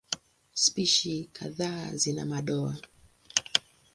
Spishi kadhaa zina madoa.